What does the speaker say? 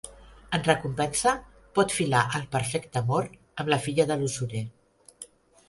En recompensa, pot filar el perfecte amor amb la filla de l'usurer.